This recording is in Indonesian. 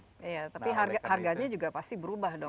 iya tapi harganya juga pasti berubah dong